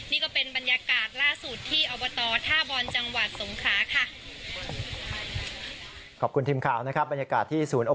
นี่ก็เป็นบรรยากาศ